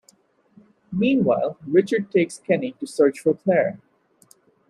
Meanwhile, Richard takes Kenny to search for Claire.